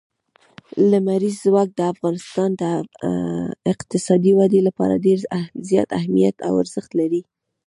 لمریز ځواک د افغانستان د اقتصادي ودې لپاره ډېر زیات اهمیت او ارزښت لري.